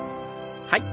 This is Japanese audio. はい。